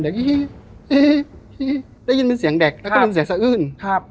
แดกอี้อี้อี้ได้ยินเป็นเสียงแดกแล้วก็เป็นเสียงสะอื้น